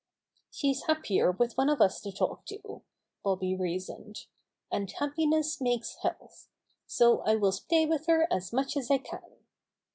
"She's happier with one of us to talk to," Bobby reasoned, "and happiness makes health. So I will stay with her as much as I can."